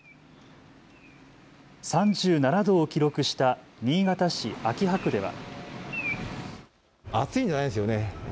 ３７度を記録した新潟市秋葉区では。